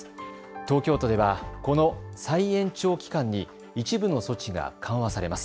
東京都では、この再延長期間に一部の措置が緩和されます。